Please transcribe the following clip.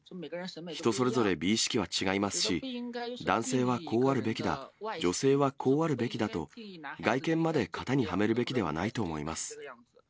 人それぞれ、美意識は違いますし、男性はこうあるべきだ、女性はこうあるべきだと外見まで型にはめるべきではないと思いま